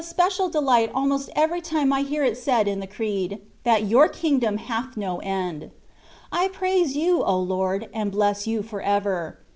I feel especial delight almost every time I hear it said in the Creed —" that your Kingdom hath no end." I praise You, O Lord, and bless You for ever.